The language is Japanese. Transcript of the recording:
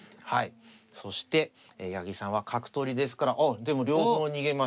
そして八木さんは角取りですからあでも両方逃げました。